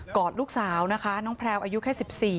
อดลูกสาวนะคะน้องแพลวอายุแค่๑๔